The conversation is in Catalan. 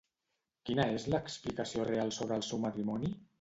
Quina és l'explicació real sobre el seu matrimoni?